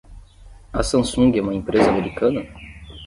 A Samsung é uma empresa americana?